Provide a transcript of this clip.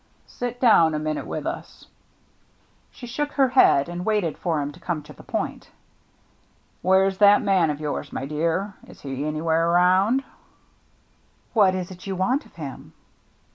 " Sit down a minute with us.'^ She shook her head, and waited for him to come to the point. " Where's that man of yours, my dear ? Is he anywhere around ?"" What is it you want of him